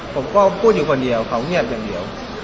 ผมก็พูดอยู่คนเดียวเขาเงียบอย่างเดียว